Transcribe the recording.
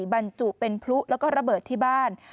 บรรจุเป็นพลุแล้วก็ระเบิดที่บ้าน